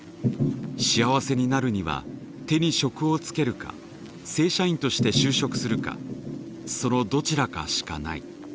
幸せになるには手に職をつけるか正社員として就職するかそのどちらかしかない。